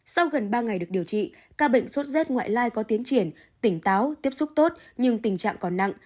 sau gần ba ngày được điều trị ca bệnh sốt rét ngoại lai có tiến triển tỉnh táo tiếp xúc tốt nhưng tình trạng còn nặng